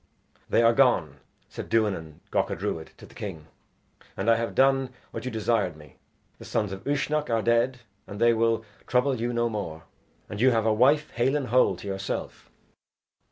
"They are gone," said Duanan Gacha Druid to the king, "and I have done what you desired me. The sons of Uisnech are dead and they will trouble you no more; and you have your wife hale and whole to yourself."